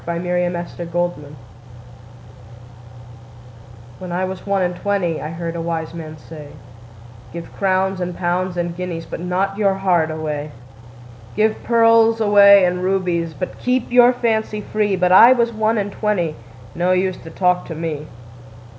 1896. XIII. When I was one and twenty WHEN I was one and twentyI heard a wise man say,'Give crowns and pounds and guineasBut not your heart away; Give pearls away and rubiesBut keep your fancy free.'But I was one and twenty, No use to talk to me.